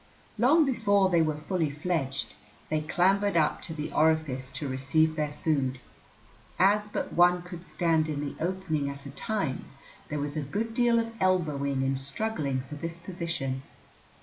Long before they were fully fledged they clambered up to the orifice to receive their food. As but one could stand in the opening at a time, there was a good deal of elbowing and struggling for this position.